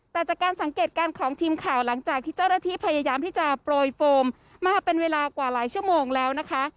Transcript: แต่จากการสังเกตการณ์ของทีมข่าวหลังจากที่เจ้าหน้าที่พยายามที่จะโปรยโฟมมาเป็นเวลากว่าหลายชั่วโมงแล้วนะคะ